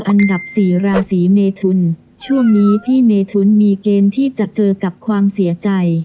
อันดับสี่ราศีเมทุนช่วงนี้พี่เมทุนมีเกณฑ์ที่จะเจอกับความเสียใจ